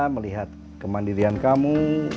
melihat kemandirian kamu